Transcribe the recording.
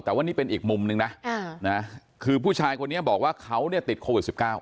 แต่ว่านี่เป็นอีกมุมนึงนะคือผู้ชายคนนี้บอกว่าเขาเนี่ยติดโควิด๑๙